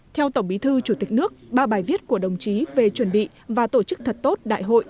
theo tổng bí thư chủ tịch nước ba bài viết của đồng chí về chuẩn bị và tổ chức thật tốt đại hội